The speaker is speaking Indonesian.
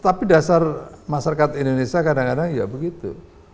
tapi dasar masyarakat indonesia kadang kadang ya begitu